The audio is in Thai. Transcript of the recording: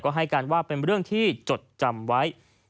ให้การว่าเป็นเรื่องที่จดจำไว้